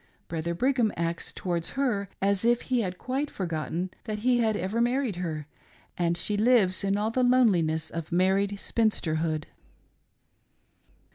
Brother Brigham acts towards her as if he had quite forgotten that he had ever married her, and she lives in all the loneliness of married spinster hood.